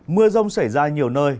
mưa rông xảy ra nhiều nơi